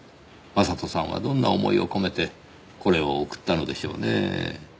将人さんはどんな思いを込めてこれを贈ったのでしょうねぇ？